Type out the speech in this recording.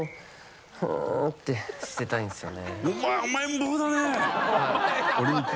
ふーんってしてたいんですよね。